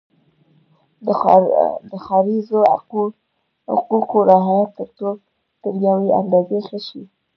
د ښاریزو حقوقو رعایت تر یوې اندازې ښه شي.